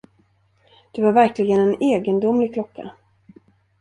Det var verkligen en egendomlig klocka.